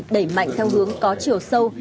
đẩy mạnh theo hướng có chiều sâu